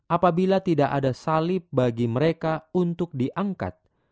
apabila tidak ada salib bagi mereka untuk diangkat